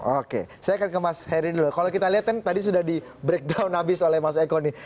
oke saya akan ke mas heri dulu kalau kita lihat kan tadi sudah di breakdown abis oleh mas eko nih